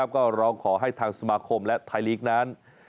ก็ร้องขอให้ทางสมาคมและไทยลีกนั้น